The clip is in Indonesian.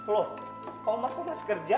loh pak umar pun masih kerja